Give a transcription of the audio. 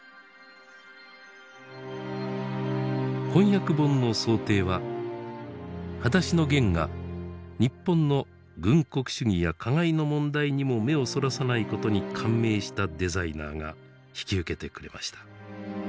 翻訳本の装丁は「はだしのゲン」が日本の軍国主義や加害の問題にも目をそらさないことに感銘したデザイナーが引き受けてくれました。